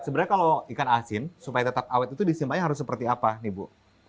sebenarnya kalau ikan asin supaya tetap awet itu disimpannya harus seperti apa nih bu